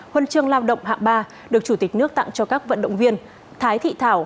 huân chương lao động hạng ba được chủ tịch nước tặng cho các vận động viên thái thị thảo